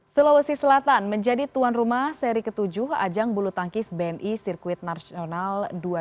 sulawesi selatan menjadi tuan rumah seri ketujuh ajang bulu tangkis bni sirkuit nasional dua ribu dua puluh